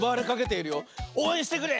おうえんしてくれ！